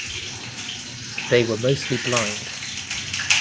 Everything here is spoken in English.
They were mostly blind.